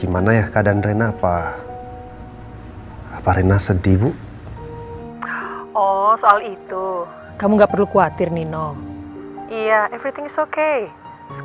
mungkin satu sampai setengah